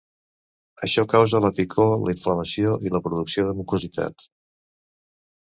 Això causa la picor la inflamació i la producció de mucositat.